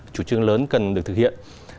chủ trương lớn cần được thực hiện